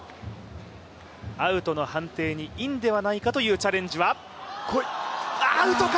アウトの判定にインではないかというチャレンジはアウトか！